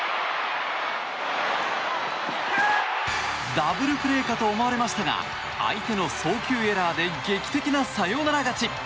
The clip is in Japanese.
ダブルプレーかと思われましたが相手の送球エラーで劇的なサヨナラ勝ち。